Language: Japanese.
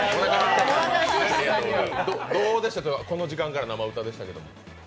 どうでしたか、この時間から生歌でしたけど。